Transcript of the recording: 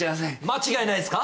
間違いないすか？